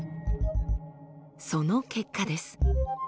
その結果です。